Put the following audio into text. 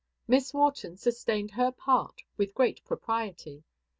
Miss Wharton sustained her part with great propriety.